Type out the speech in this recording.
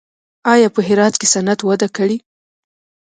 آیا په هرات کې صنعت وده کړې؟